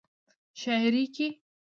شاعرۍ کې